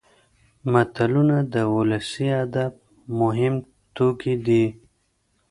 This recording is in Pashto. متلونه د ولسي ادب مهم توکي دي